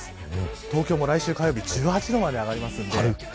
東京も来週火曜日１８度まで上がります。